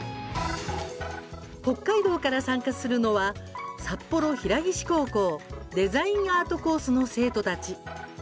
北海道から参加するのは札幌平岸高校デザインアートコースの生徒たち。